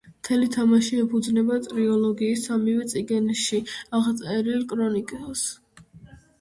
მთელი თამაში ეფუძნება ტრილოგიის სამივე წიგნში აღწერილ ქრონიკას.